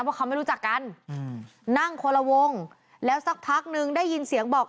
ว่าเขาไม่รู้จักกันนั่งคนละวงแล้วสักพักนึงได้ยินเสียงบอก